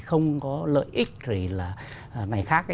không có lợi ích gì này khác